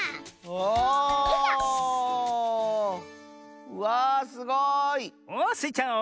おおスイちゃん